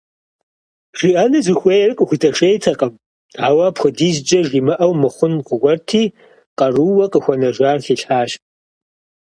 ЖиӀэну зыхуейр къыхудэшейтэкъым, ауэ апхуэдизкӀэ жимыӀэу мыхъун гуэрти, къарууэ къыхуэнэжар хилъхьащ.